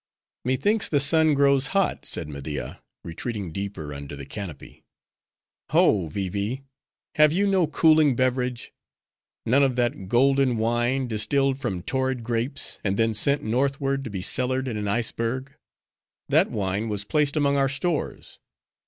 "Methinks the sun grows hot," said Media, retreating deeper under the canopy. "Ho! Vee Vee; have you no cooling beverage? none of that golden wine distilled from torrid grapes, and then sent northward to be cellared in an iceberg? That wine was placed among our stores.